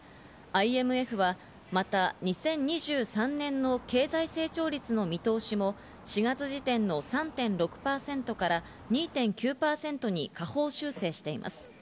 ＩＭＦはまた２０２３年の経済成長率の見通しも４月時点の３．６％から２．９％に下方修正しています。